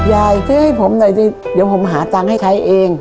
ยายซื้อให้ผมหน่อยสิเดี๋ยวผมหาตังค์ให้ใช้เอง